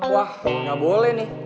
wah gak boleh nih